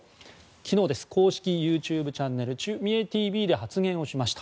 昨日公式ＹｏｕＴｕｂｅチャンネル「チュ・ミエＴＶ」で発言をしました。